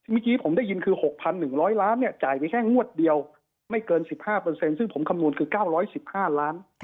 เมื่อกี้ผมได้ยินคือ๖๑๐๐ล้านจ่ายไปแค่งวดเดียวไม่เกิน๑๕ซึ่งผมคำนวณคือ๙๑๕ล้าน